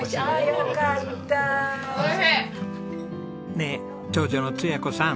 ねえ長女の彩子さん。